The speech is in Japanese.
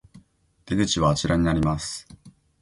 お出口はあちらになります